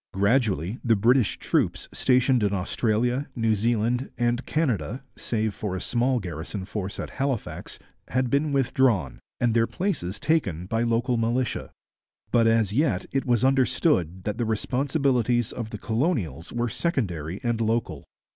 Gradually the British troops stationed in Australia, New Zealand, and Canada (save for a small garrison force at Halifax) had been withdrawn, and their places taken by local militia. But as yet it was understood that the responsibilities of the colonies were secondary and local.